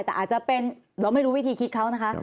แต่อาจจะเป็นเราไม่รู้วิธีคิดเขานะคะ